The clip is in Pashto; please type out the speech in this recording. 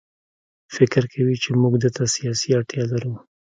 فکر کوي چې موږ ده ته سیاسي اړتیا لرو.